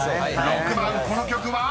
［６番この曲は？］